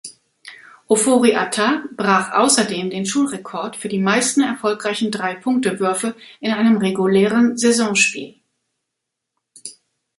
Ofori-Attah brach außerdem den Schulrekord für die meisten erfolgreichen Drei-Punkte-Würfe in einem regulären Saisonspiel.